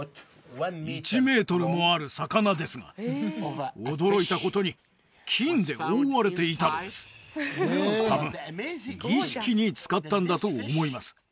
１メートルもある魚ですが驚いたことに金で覆われていたのです多分儀式に使ったんだと思います